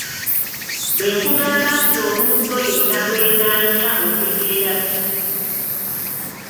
Bwe nkugamba nti omuntu oyo nnalwenaanya otegeera ki?